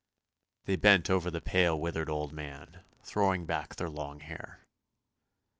They bent over the pale withered old man, throwing back their long hair.